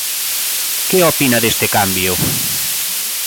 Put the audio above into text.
Que opina deste cambio?